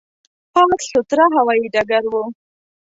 پاک، سوتره هوایي ډګر و.